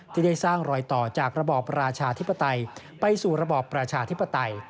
ที่ได้สร้างรอยต่อจากระบอบประชาธิปไตยไปสู่ระบอบประชาธิปไตย